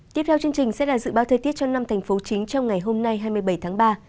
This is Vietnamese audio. tiếp theo chương trình sẽ là dự báo thời tiết cho năm thành phố chính trong ngày hôm nay hai mươi bảy tháng ba